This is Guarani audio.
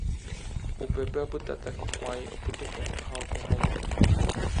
Upépe opytáta hikuái opytu'u ha oke hag̃ua.